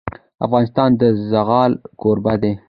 افغانستان د زغال کوربه دی.